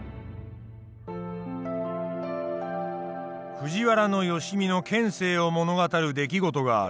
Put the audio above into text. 藤原良相の権勢を物語る出来事がある。